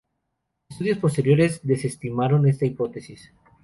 Estudios posteriores desestimaron esta hipótesis.